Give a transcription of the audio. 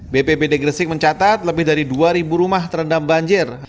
bpbd gresik mencatat lebih dari dua rumah terendam banjir